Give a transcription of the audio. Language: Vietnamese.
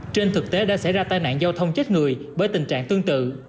trên thực tế đã xảy ra tai nạn giao thông chết người bởi tình trạng tương tự